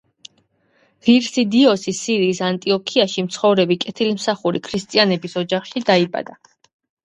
ღირსი დიოსი სირიის ანტიოქიაში მცხოვრები კეთილმსახური ქრისტიანების ოჯახში დაიბადა.